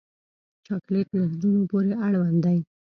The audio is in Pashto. چاکلېټ له زړونو پورې اړوند دی.